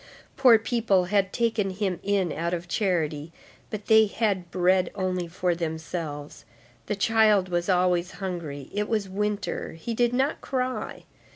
Poor people had taken him in out of charity, but they had bread only for themselves. The child was always hungry. It was winter. He did not cry.